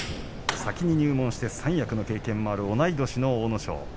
先に入門して三役の経験もある同い年の阿武咲。